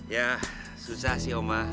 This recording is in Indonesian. ya susah sih oma